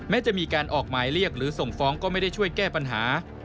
จะมีการออกหมายเรียกหรือส่งฟ้องก็ไม่ได้ช่วยแก้ปัญหา